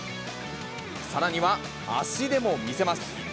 さらには足でも見せます。